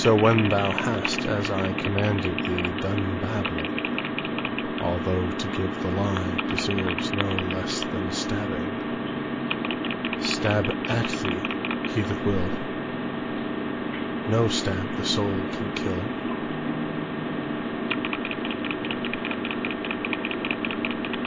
So when thou hast, as ICommanded thee, done blabbing,—Although to give the lieDeserves no less than stabbing,—Stab at thee he that will, No stab the soul can kill.